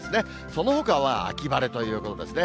そのほかは秋晴れということですね。